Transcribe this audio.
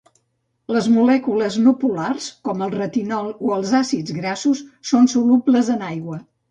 Les molècules no polars, com el retinol o els àcids grassos són solubles en aigua.